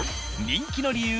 人気の理由